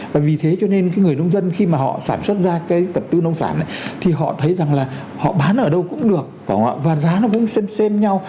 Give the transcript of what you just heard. và vì thế cho nên cái người nông dân khi mà họ sản xuất ra cái tập tư nông sản này thì họ thấy rằng là họ bán ở đâu cũng được và giá nó cũng xem xem nhau